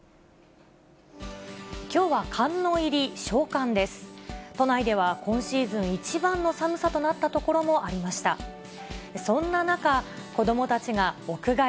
きょうは寒の入り、小寒です。